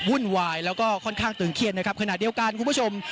วุ่นวายแล้วก็ค่อนข้างตึงเครียดนะครับขณะเดียวกันคุณผู้ชม